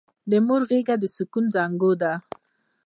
د مور غېږه د سکون زانګو ده!